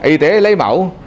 y tế lấy mảo